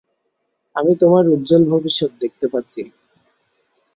আমি তোমার উজ্জ্বল ভবিষ্যৎ দেখতে পাচ্ছি।